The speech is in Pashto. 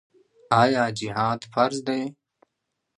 آیا جهاد فرض دی؟